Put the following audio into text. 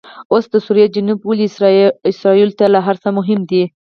اوس دسوریې جنوب ولې اسرایلو ته له هرڅه مهم دي؟